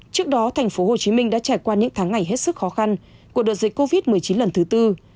trước đó thành phố hồ chí minh đã trải qua những tháng ngày hết sức khó khăn của đợt dịch covid một mươi chín lần thứ tư